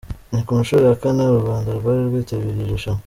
Ni ku nshuro ya kane u Rwanda rwari rwitabiriye iri rushanwa.